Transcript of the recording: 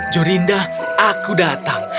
jorinda aku datang